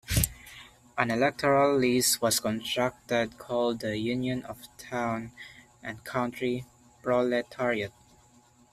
An electoral list was constructed called the "Union of Town and Country Proletariat".